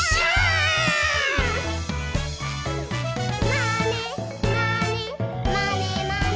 「まねまねまねまね」